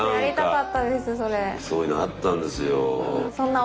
そういうのあったんですよ。